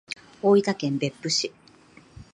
大分県別府市